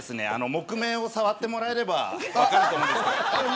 木目を触ってもらえれば分かると思うんですけど。